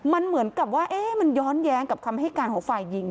มันเหมือนกับว่ามันย้อนแย้งกับคำให้การของฝ่ายหญิง